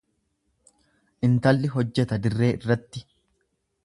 Intalli hojjeta dirree irratti.